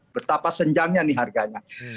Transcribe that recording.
betapa senjangnya nih harganya